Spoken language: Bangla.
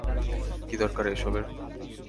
কি দরকার এই সবের?